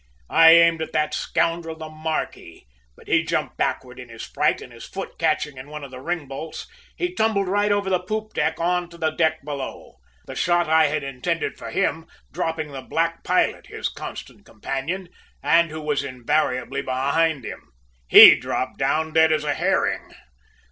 I aimed at that scoundrel the `marquis,' but he jumped backward in his fright and his foot catching in one of the ringbolts, he tumbled right over the poop rail on to the deck below; the shot I had intended for him dropping the black pilot, his constant companion, and who was invariably behind him. He dropped down as dead as a herring!